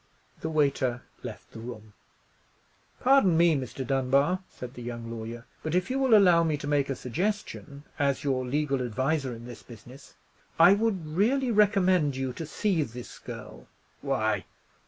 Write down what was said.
The waiter left the room. "Pardon me, Mr. Dunbar," said the young lawyer; "but if you will allow me to make a suggestion, as your legal adviser in this business, I would really recommend you to see this girl." "Why?"